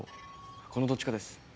このどっちかです。